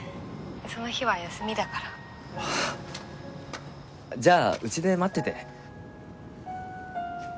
「その日は休みだから」じゃあうちで待ってて。